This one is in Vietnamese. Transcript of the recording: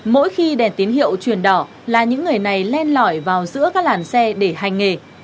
mỗi khi đèn tín hiệu truyền đỏ là những người này len lỏi vào giữa các làn xe để hành nghề